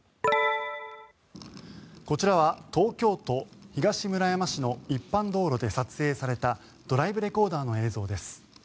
こちらは東京都東村山市の一般道路で撮影されたドライブレコーダーの映像です。